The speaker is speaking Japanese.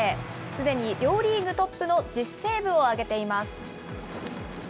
すでに両リーグトップの１０セーブを挙げています。